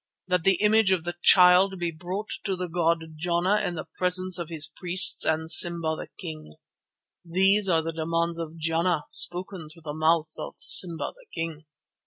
That the image of the Child be brought to the god Jana in the presence of his priests and Simba the King. These are the demands of Jana spoken through the mouth of Simba the King."